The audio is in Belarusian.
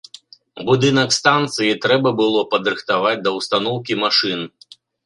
Будынак станцыі трэба было падрыхтаваць да ўстаноўкі машын.